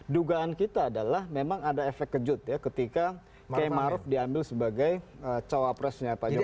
dugaan kita adalah memang ada efek kejut ya ketika kiai maruf diambil sebagai cawapresnya pak jokowi